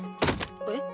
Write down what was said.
えっ？